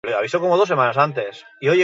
Epaiaren zain gelditu da.